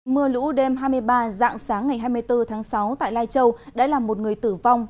mưa lũ đêm hai mươi ba dạng sáng ngày hai mươi bốn tháng sáu tại lai châu đã làm một người tử vong